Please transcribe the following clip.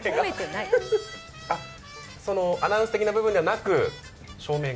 アナウンス的な部分ではなく、照明が。